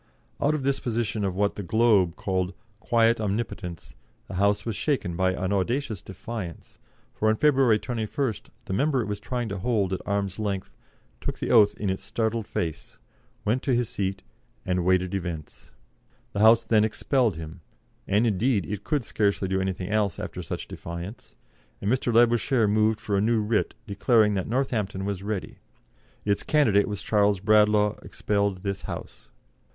Out of this position of what the Globe called "quiet omnipotence" the House was shaken by an audacious defiance, for on February 21st the member it was trying to hold at arm's length took the oath in its startled face, went to his seat, and waited events. The House then expelled him and, indeed, it could scarcely do anything else after such defiance and Mr. Labouchere moved for a new writ, declaring that Northampton was ready, its "candidate was Charles Bradlaugh, expelled this House."